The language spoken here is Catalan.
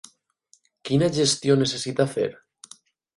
Quina gestió necessita fer?